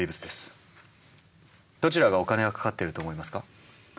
どちらがお金がかかってると思いますか？